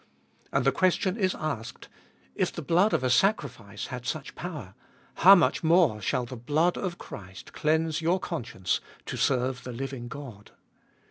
And the question is asked — If the blood of a sacrifice had such power, how much more shall the blood of Christ cleanse your conscience to serve the living God?